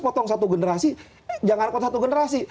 potong satu generasi jangan potong satu generasi